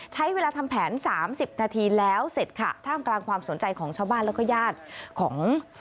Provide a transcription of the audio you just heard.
ใช้เวลาทำแผนสามสิบนาทีแล้วเสร็จค่ะท่ามกลางความสนใจของชาวบ้านแล้วก็ญาติของ